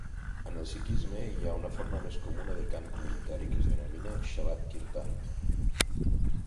En el sikhisme, hi ha una forma més comuna de cant comunitari que es denomina "Shabad Kirtan".